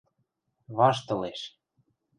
Ваштылеш.